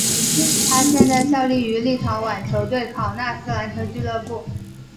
他现在效力于立陶宛球队考纳斯篮球俱乐部。